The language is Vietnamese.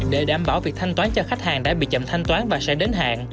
để đảm bảo việc thanh toán cho khách hàng đã bị chậm thanh toán và sẽ đến hạn